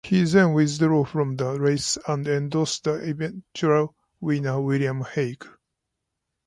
He then withdrew from the race and endorsed the eventual winner William Hague.